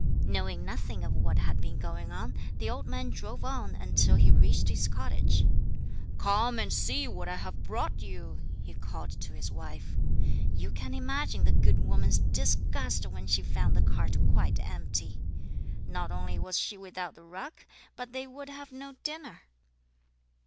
Knowing nothing of what had been going on, the old man drove on until he reached his cottage. "Come and see what I have brought you!" he called to his wife. You can imagine the good woman's disgust when she found the cart quite empty. Not only was she without the rug, but they would have no dinner.